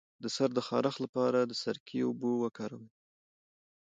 د سر د خارښ لپاره د سرکې اوبه وکاروئ